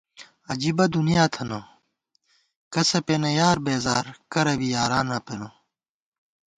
عجیبہ دُنیا تھنہ، کسہ پېنہ یار بېزار کرہ بی یارانہ پېنہ